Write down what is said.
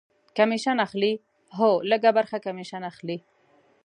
کمیشن اخلي؟ هو، لږ ه برخه کمیشن اخلی